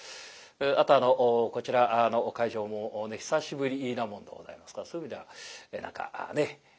あとこちらのお会場も久しぶりなもんでございますからそういう意味では何かね